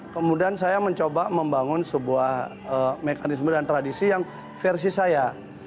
kemudian saya mencoba membangun sebuah mekanisme dan tradisi yang versi saya